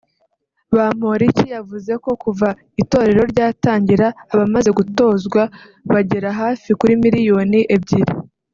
Bamporiki yavuze ko kuva itorero ryatangira abamaze gutozwa bagera hafi kuri miliyoni ebyiri